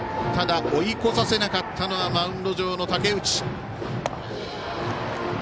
ただ、追い越させなかったのがマウンド上の武内。